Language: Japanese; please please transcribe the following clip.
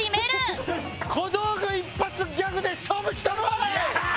小道具一発ギャグで勝負したるわい！